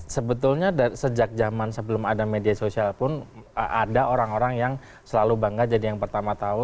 sebetulnya sejak zaman sebelum ada media sosial pun ada orang orang yang selalu bangga jadi yang pertama tahu